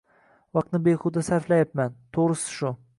Vaqtimni behuda sarflayapman. Toʻgʻrisi shu.